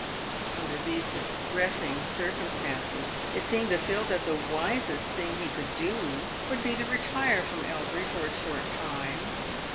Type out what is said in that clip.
"Under these distressing circumstances, it seemed to Phil that the wisest thing he could do would be to retire from Elbury for a short time.